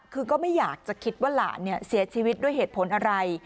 คือก็ไม่อยากจะคิดว่าหลานเสียชีวิตด้วยเหตุผลอะไร